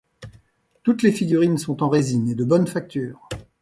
Toutes les figurines sont en résine, et de bonne facture.